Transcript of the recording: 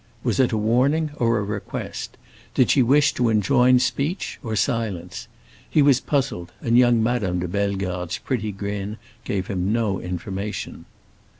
Was it a warning or a request? Did she wish to enjoin speech or silence? He was puzzled, and young Madame de Bellegarde's pretty grin gave him no information.